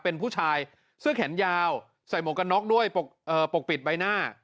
เป็นผู้ชายเสื้อแขนยาวใส่หมวกกันน็อกด้วยปกปิดใบหน้า